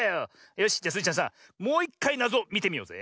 よしじゃスイちゃんさもういっかいなぞみてみようぜ。